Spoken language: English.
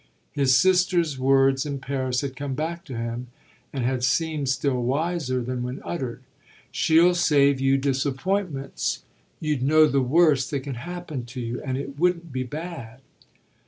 His sister's words in Paris had come back to him and had seemed still wiser than when uttered: "She'll save you disappointments; you'd know the worst that can happen to you, and it wouldn't be bad."